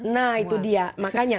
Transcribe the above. nah itu dia makanya